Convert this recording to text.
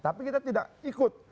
tapi kita tidak ikut